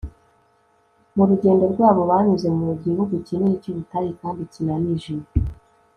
mu rugendo rwabo, banyuze mu gihugu kinini cy'ubutayu kandi kinanije